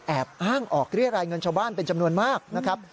แอบอ้างออกเรียรายเงินชาวบ้านเป็นจำนวนมากนะครับ